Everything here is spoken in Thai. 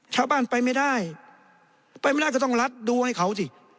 ชาวบ้านไปไม่ได้ไปไม่ได้ก็ต้องรัดดูให้เขาสิ